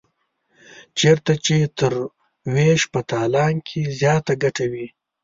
چېرته چې تر وېش په تالان کې زیاته ګټه وي.